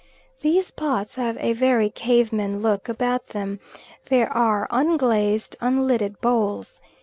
These pots have a very cave man look about them; they are unglazed, unlidded bowls.